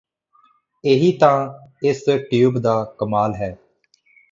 ਇਹੀ ਤਾਂ ਇਸ ਟਿਊਬ ਦਾ ਕਮਾਲ ਹੈ